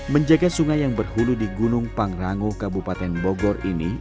menjaga sungai yang berhulu di gunung pangrango kabupaten bogor ini